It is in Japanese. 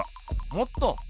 もっと。